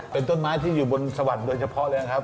เป็นต้นไม้ที่อยู่บนสวรรค์โดยเฉพาะเลยนะครับ